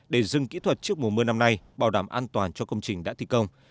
để dừng kỹ thuật trước mùa mưa năm nay bảo đảm an toàn cho công trình đã thi công